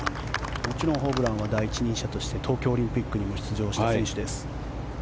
もちろんホブランは第一人者として東京オリンピックにも出場した選手です。